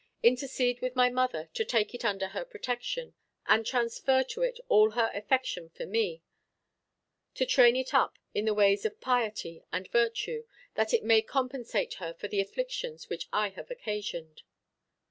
Intercede with my mother to take it under her protection, and transfer to it all her affection for me; to train it up in the ways of piety and virtue, that it may compensate her for the afflictions which I have occasioned.